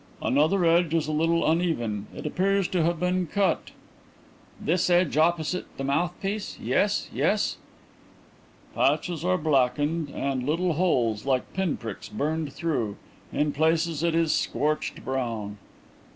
"Another edge is a little uneven; it appears to have been cut." "This edge opposite the mouthpiece. Yes, yes." "Patches are blackened, and little holes like pinpricks burned through. In places it is scorched brown."